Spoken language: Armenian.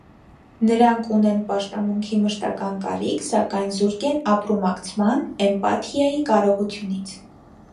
Նրանք ուենեն պաշտամունքի մշտական կարիք, սակայն զուրկ են ապրումակցման՝ էմպաթիայի կարողությունից։